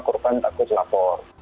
kurban takut lapor